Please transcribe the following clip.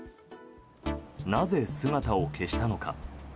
なぜ、姿を消したのか。